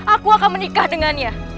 aku akan menikah dengannya